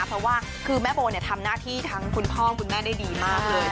เพราะว่าคือแม่โบทำหน้าที่ทั้งคุณพ่อคุณแม่ได้ดีมากเลย